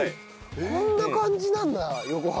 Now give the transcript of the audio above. こんな感じなんだ横浜。